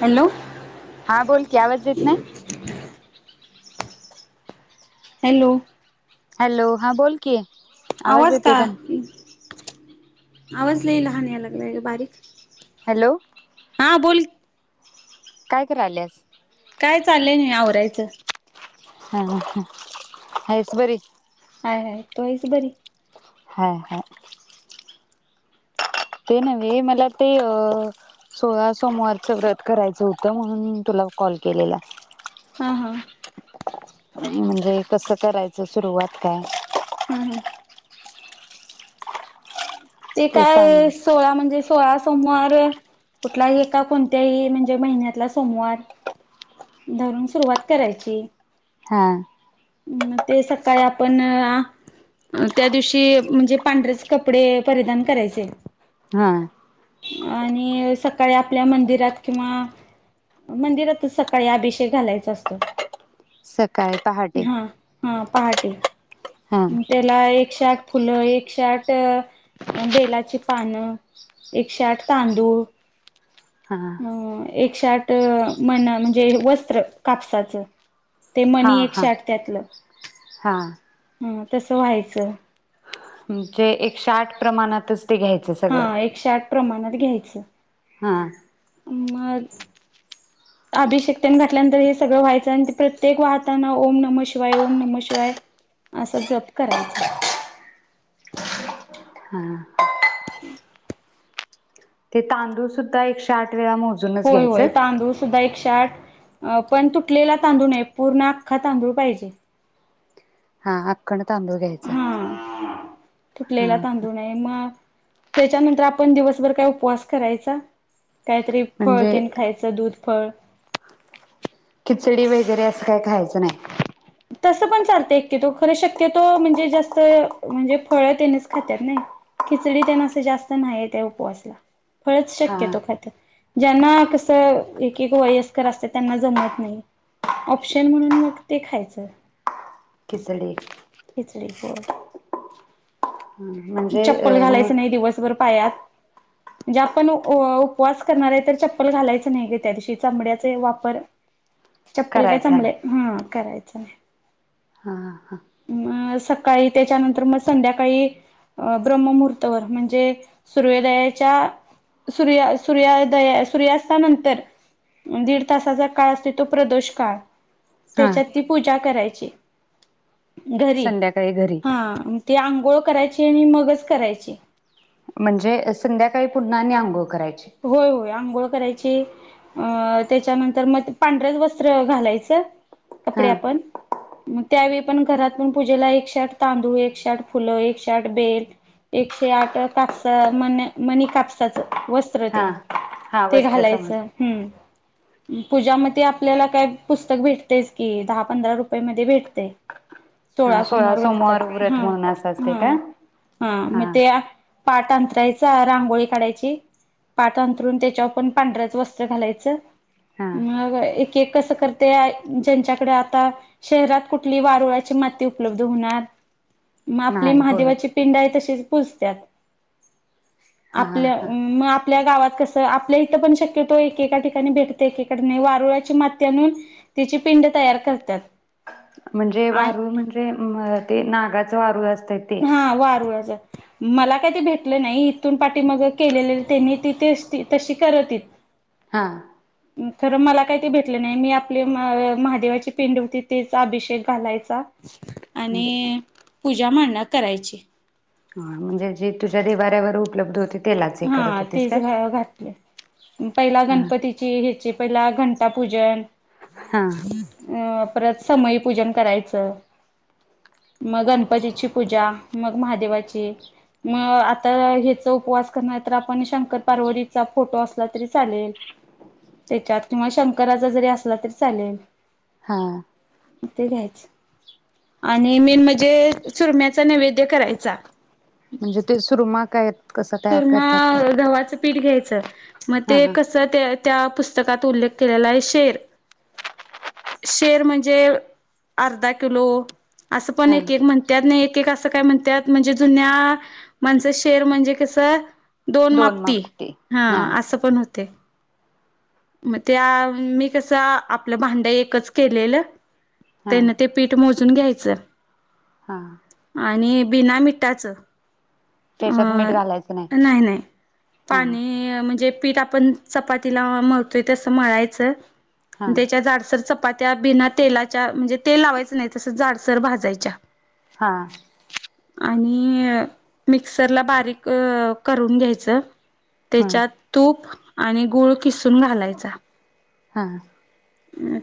Hello. हां बोल की आवाज येत नाही. हॅलो. हॅलो हां बोल की. आवाज का? आवाज लई लहान यायला लागलाय गं बारीक. हॅलो हां बोल. काय कराल्यास? काय चाललंय नव्हे आवरायचं. हां हं हाईस बरी? हाय हाय. तू हाईस बरी? हाय हाय. ते नव्हे मला ते अ् सोळा सोमवारचं व्रत करायचं होतं म्हणून मी तुला कॉल केलेला. हं हं. म्हणजे कसं करायचं सुरुवात काय? हम् हम्. ते काय सोळा म्हणजे सोळा अस सोमवार कुठला ही एका कोणत्याही म्हणजे महिन्यातला सोमवार धरून सुरुवात करायची. हा. म् ते सकाळी आपण अ त्या दिवशी म्हणजे पांढरेच कपडे परिधान करायचे. हां. आणि सकाळी आपल्या मंदिरात किंवा मंदिरातच सक काळी अभिषेक घालायचा असतोय. सकाळी पहाटे, हा पहाटे, हा त्याला एकशे आठ फुलं, एकशे आठ अ बेलाची पानं, एकशे आठ तांदू हा ह एक एकशे आठ म्हणा म्हणजे वस्त्र कापसाचं. ते हा मनी हा एकशे आठ त्यातलं. हा. हम तसं व्हायचं. म्हणजे एकशे आठ प्रमाणातच. ते घ्यायचं हा सगळं एकशे आठ प्रमाणा घ्यायचं. हा. मग अभिशेक तेन घातल्यानंतर हे सगळं व्हायचं आणि ते प्रत्येक वाहताना ओम नम शिवाय, ओम नम शिवाय असा जप करायचा. [inaudible] ते तांदूळ सुद्धा एकशे आठ वेळा मोजूनच होय घ्यायचं. होय तांदूळ सुद्धा एकशे त्यात अ पण तुटलेला तांदूळ नाही पूर्ण आख्खा तांदूळ पाहिजे. हा अखंड हा. हा तुटलेला तांदूळ नये मग त्याच्यानंतर आपण दिवसभर काय उपवास करायचा. काहीतरी फळ म्हणजे केन खायचं दूध. फळ. खिचडी वगैरे असं काही खायचं नाही. तसपण चालतेय की शक्यतोय म्हणजे जास्तवेळ म्हणजे फळा त्यानेच खात्यात खिचडी ते नसते जास्त नाही ते उपवास ला फळच हा शक्यतोय खात्यात ज्यांना कस एक एक वयस्कर असतात त्यांना जमत नाही ऑप्शन म्हणून मग ते खायचं. तर खिचडी खिचडी हो. म्हणजे चप्पल अ घालायचं मग नाही दिवसभर पायात म्हणजे आपण उ उपवास करणार आहे तर चप्पल घालायच नाही. त्या दिवशी चामड्याच वापर चप्पल काय [unintelligible] करायचा नाही. करायचं. चल हा हा अ सकाळी त्याच्यानंतर मग संध्याकाळी अ ब्रम्ममुहूर्तवर म्हणजे सूर्योदयाच्या सूर््या सूर्यदया सूर्यास्तानंतर दीड तासाचा काळ असते तो प्रदोष काळ हा त्याच्यात ती पूजा करायची. घरी संध्याकाळी घरी हा ते आंघोळ करायची आणि मगच करायची. म्हणजे संध्याकाळी पुन्हा आणिअंगोळ करायची. होय होय आंघोळ करायची. अ त्याच्यानंतर मग पांढरच वस्त्र घालायचं. कपडे हा आपण मग त्या वेळी पण घरात पण पूजेला एकशे आठ, तांदुळ एकशे आठ फुल, एकशे आठ बेल, एकशे आठ कापस मनी कापसाच वस्त्र हा हा ते वस्त्र समज घालायचं ह्म. पूजा म ते आपल्याला काय पुस्तक भेटतयस की दहा पंधरा रुपये मधे भेटतय हा सोळा सोमवार वरताची व्रत हा म्हणून असं असते हा का? हा मग ते पाटांत त्यायचा रांगोळी काढायची पाट अंतरून त्याच्यावर पण पांढऱच वस्त्र घालायचं. हा म एक केक कस करतय ज्यांच्याकडे आता शहरात कुठली वारूळाची माती उपलब्ध होणार. मग आपली नाही होय महादेवाची पिंड आहे तशीच पुजत्यात हा आपल्या हा मग आपल्या गावात कसं आपल्या इथं पण शक्यतो एकेका ठिकाणी भेटते एकेका ठिकाणी वारुळाची माती आणून तिची पिंड तयार करत्यात. म्हणजे वारुळ म्हंजे म अ ते नागाच वारुळ असतय. हा वारुळ आच. मला काय ते भेटलं नाही इथून पाठी माग केलेले तेणी तिथेच तशी करतीत. हा, खर मला काही ते भेटलं नाही मी आपली महादेवाची पिंड होती तेचा अभिषेक घालायचा. म्हणजे आणि पूजा या महिन्यात, करायची. हा म्हणजे, जे तुझ्या देवाऱ्यावर उपलब्ध होतेत. हा तेच घातल पहिला हा गणपतीची हेचि पहिला गण आता पूजन, हा [unintelligible] परत समई पूजन करायचं मग गणपतीची पूजा मग महादेवाची मग आता हेच उपवास [inaudible] आपण शंकर पार्वतीचा फोटो अस असला तरी चालेल त्याच्यात किंवा शंकराचा जरी असला तरी चालेल. हा, ते घ्यायच आणि मेन म्हणजे चुरम्याचा नैवेद्य करायचा. म्हणजे ते सुरमा काय कसं तयार चूरमा करतात काय? गव्हाचं पीठ घ्यायचं. अच्छा! मग हा ते हा कस त्या त्या पुस्तक? पुस्तकात उल्लेख केलेला आहे शेर, शेर म्हणजे अर्धा किलो असं पण हा एक एक म्हणत्यात नाई. ते अस का म्हणतात म्हणजे जुन्या माणसं शेर म्हणजे कस तर दोन मापटी हा असं पण होतय. म त्या मी कस आपलं भांड एकच केलेलं. हा तेन ते पीठ मोज भाजून घ्यायचं. हा, आणि बिना मिठाचं. त्याच्यात मीठ अ घालायचं. नाही, नाही हा पाणी म्हणजे पीठ आपण चपातीला मळतोय तसं मळायचं. हा त्याच्या जाडसर चाप चपात्या बिना तेलाच्या म्हणजे तेल लावायचं नाही तसंच झाडसर भाजायच्या. हा, आणि मिक्सरला बारीक अ करून घ्यायचं. हा. त्याच्यात तूप, आणि गुळ किसून घालायचा. हा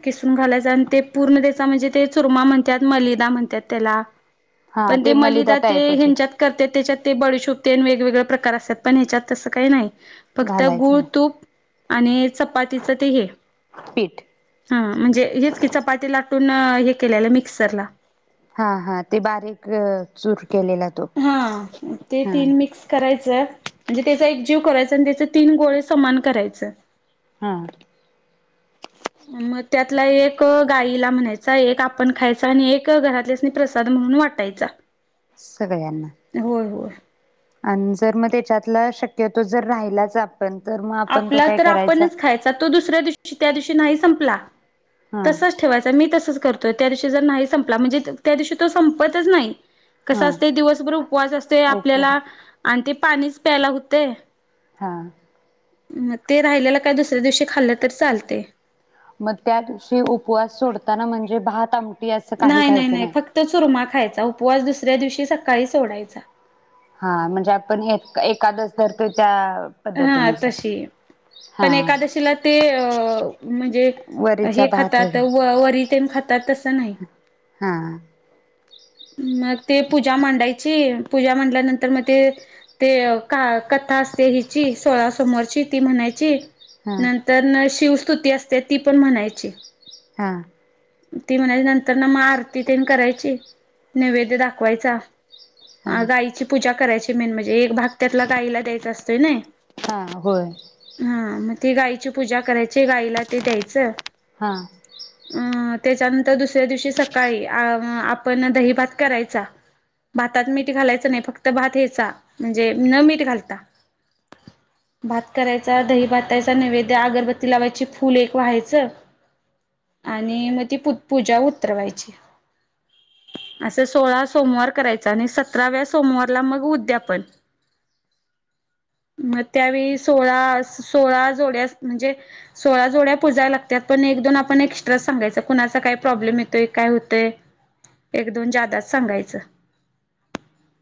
किसून घालायच आणि ते पूर्ण त्याचा म्हणजे ते चुरमा म्हणतात मलिदा म्हणतात त्याला हा पण ते मलिदा ते टाईपच होत ह्यांच्यात करत्यात त्याच्यात ते बडीशोप ते आणि वेगवेगळे प्रकार. असतात पण ह्याच्यात तसं काही नाही. फक्त घालायचं गूळ, नाही तूप आणि चपातीच ते हे पीठ. हम म्हणजे हेच की चपाती लाटायच. पुन्हा हे केलेलं मिक्सर ला. हा हा ते बारीक चूर केलेला तो. हा तर त्याचा एक जीव करायचा आणि त्याचे तीन गोळे समान करायच. हा. मग त्यातला एक गायला म्हणायचा एक आपण खायचा आणि एक घरातल्यासनी प्रसाद म्हणून वाटायचा. सगळ्यांना. होय होय आणि जर मग त्याच्यातला शक्यतो जर राहिलाच आ आपला तर आपणच खायचा. तो दुसऱ्या दिवशी त्यादिवशी नाही संपला. हा तसंच ठेवायचा मी तसच. करतोय त्या दिवशी जर नाही संपला म्हणजे त्या दिवशी तो संपतच नाही. कस हा असतय दिवसभर उपवास असतय ओपो आपल्याला आण ते पाणीच प्यायला होतंय. हा. म ते राहिलेला काय दुसऱ्या दिवशी खाल्लं तरी चालतय. म त्या दिवशी उपवास सोडताना म्हणजे भात आम नाही नाही नाही फक्त चुरमा खायचा उपवास दुसऱ्या दिवशी सकाळी सोडायचा. हा म्हणजे आपण एक एकादस धरतो. त्या हा पद्धतीनुसार तशी पण हा एकादशीला ते अ म्हणजे वरीचा हे भात खातात वगैरे व वर ते खातात तसं नाही. हा. मग ते पूजा मांडाय. जी पुजा म्हटल्यानंतर मग ते ते का कथा असते हिची सोळा समोरची ती म्हणायची. हा नंतर ना शिव तुती असते ती पण म्हणायची. हा. ती म्हणाली नंतर नमा आरती तेन करायची. नैवेद्य दाखवायचा. अ हा गाईची पूजा, करायची, मेन म्हणजे एक भाग त्यातला गाईला द्यायचा असतोय क नय. हा, हाय. ती गाईची पूजा करायची गाईला ते द्यायचं. हा, आ तेच्यानंतर दुसऱ्या दिवशी सकाळी आ आज आपण दही, भात करायचा भातात मीठ घालायचं नाही फक्त भात करायचा म्हणजे, न मीठ घालता भात करायचा दही भातायचा नैवेद्य, अगरबत्ती लावायची फुल एक व्हायचं आणि मग ती पू पूजा उतरवायची. असं सोळा सोमवार करायचं आणि सतराव्या सोमवारला मग उद्यापन मग त्यावेळी सोळा सोळा जोड्या म्हणजे सोळा जोड्या पुजाय लागतात, पण एक दोन आपण एक्स्ट्रा सांगायच कुणाचा काय प्रॉब्लेम येतोय, काय होतय. एक दोन ज्यादाच सांगायचं.